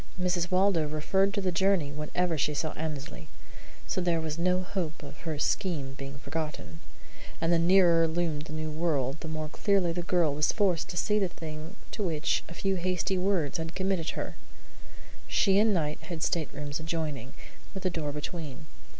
Mrs. Waldo referred to the journey whenever she saw Annesley, so there was no hope of her scheme being forgotten; and the nearer loomed the new world, the more clearly the girl was forced to see the thing to which a few hasty words had committed her. She and Knight had staterooms adjoining, with a door between.